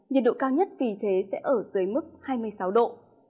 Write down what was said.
nhiệt độ cao nhất vì thế sẽ ở dưới mức hai mươi sáu độ